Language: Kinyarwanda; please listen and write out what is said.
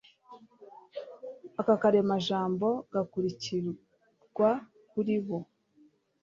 Aka karemajambo gakurikirwa kuri bo